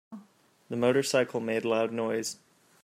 The motorcycle made loud noise.